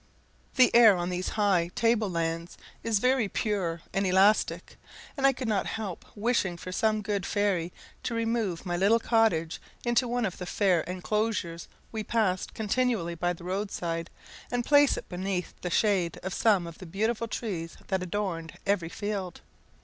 The air on these high table lands is very pure and elastic; and I could not help wishing for some good fairy to remove my little cottage into one of the fair enclosures we passed continually by the roadside, and place it beneath the shade of some of the beautiful trees that adorned every field.